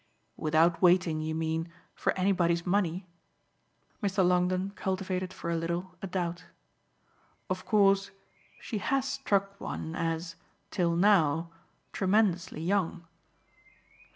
"Without waiting, you mean, for anybody's money?" Mr. Longdon cultivated for a little a doubt. "Of course she has struck one as till now tremendously young."